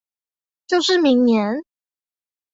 就是明年？